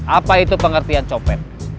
apa itu pengertian copet